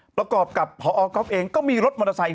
ประกอบกับพอก๊อฟเองก็มีรถมอเตอร์ไซค